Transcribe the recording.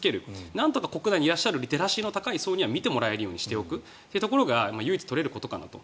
なんとか国内にいらっしゃるリテラシーの高い層には見てもらうようにするということが唯一取れることかなと。